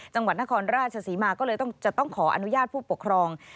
จังหวัดนครราชศรีมาก็เลยจะต้องขออนุญาตผู้ปกครอง